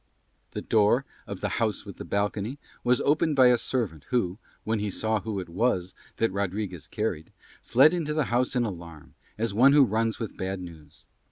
The door of the house with the balcony was opened by a servant who, when he saw who it was that Rodriguez carried, fled into the house in alarm, as one who runs with bad news.